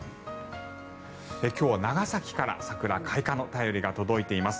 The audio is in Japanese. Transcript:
今日は長崎から桜開花の便りが届いています。